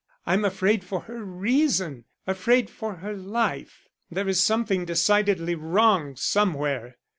"I am afraid for her reason, afraid for her life. There is something decidedly wrong somewhere.